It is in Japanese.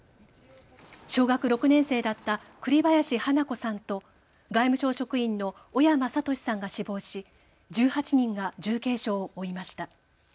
小学６年生だった栗林華子さんと外務省職員の小山智史さんが死亡し１８人が重軽傷を負いました。